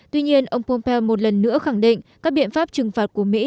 tuy nhiên ông pompeo một lần nữa khẳng định các biện pháp trừng phạt của mỹ